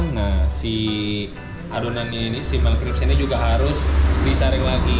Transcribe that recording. nah si adonan ini si malcrips ini juga harus disaring lagi